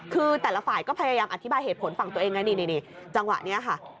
คือแต่ละฝ่ายก็พยายามอธิบายเหตุผลฝั่งตัวเองไงนี่จังหวะนี้ค่ะ